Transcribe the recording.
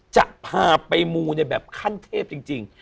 จะพาไปมูในแบบขั้นเทพจริง